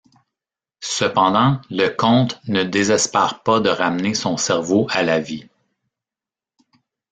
Cependant, le Comte ne désespère pas de ramener son cerveau à la vie.